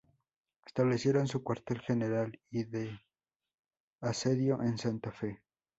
Establecieron su cuartel general y de asedio en Santa Fe.